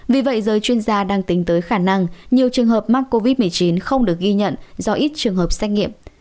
vì vậy giới chuyên gia đang tính tới khả năng nhiều trường hợp mắc covid một mươi chín không được ghi nhận do ít trường hợp xét nghiệm